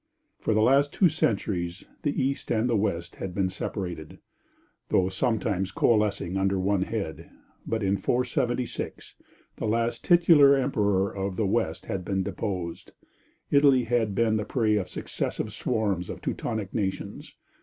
For the last two centuries the East and the West had been separated, though sometimes coalescing under one head, but in 476, the last titular Emperor of the West had been deposed. Italy had been the prey of successive swarms of Teutonic nations.